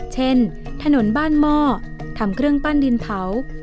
ถนนบ้านหม้อทำเครื่องปั้นดินเผา